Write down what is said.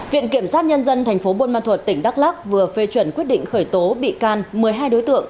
viện kiểm soát nhân dân tp bôn ma thuật tỉnh đắk lắc vừa phê chuẩn quyết định khởi tố bị can một mươi hai đối tượng